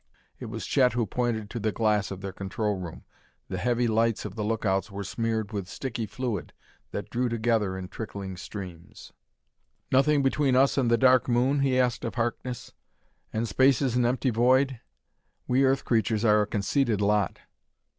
It was Chet who pointed to the glass of their control room. The heavy lights of the lookouts were smeared with sticky fluid that drew together in trickling streams. "Nothing between us and the Dark Moon?" he asked of Harkness. "And space is an empty void? We Earth creatures are a conceited lot."